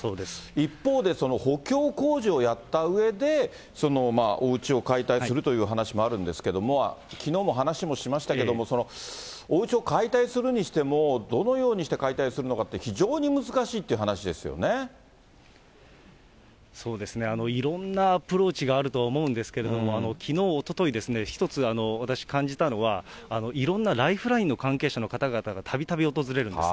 一方で補強工事をやったうえで、おうちを解体するという話もあるんですけれども、きのうも話もしましたけれども、おうちを解体するにしても、どのようにして解体するのかって、非常に難しいそうですね、いろんなアプローチがあるとは思うんですけれども、きのう、おととい、一つ私感じたのは、いろんなライフラインの関係者の方々がたびたび訪れるんです。